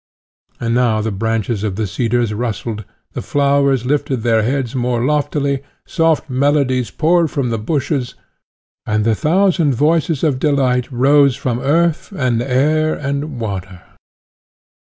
And now the branches of the cedars rustled, the flowers lifted their heads more loftily, soft melodies poured from the bushes, and the thousand voices of delight rose from earth, and air, and water.